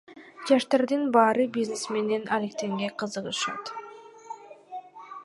Жаштардын баары бизнес менен алектенгенге кызыгышат.